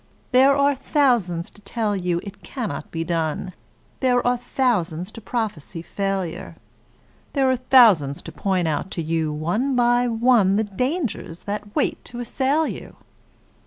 There are thousands to tell you it cannot be done, There are thousands to prophesy failure; There are thousands to point out to you one by one, The dangers that wait to assail you.